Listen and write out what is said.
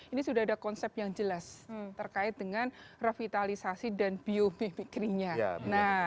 ini sudah ada konsep yang jelas terkait dengan revitalisasi dan bio membrie nya